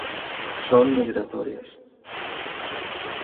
Son migratorias.